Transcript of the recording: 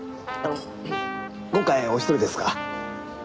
あの今回お一人ですか？